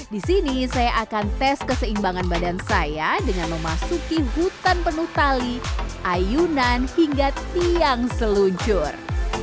di sini saya akan tes keseimbangan badan saya dengan memasuki hutan penuh tali ayunan hingga tiang seluncur